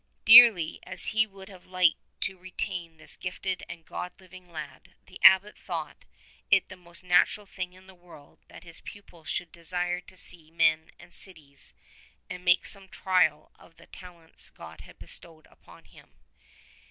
Dearly as he would have liked to retain this gifted and good living lad, the Abbot thought it the most natural thing in the world that his pupil should desire to see men and cities and to make some trial of the talents God had bestowed upon him.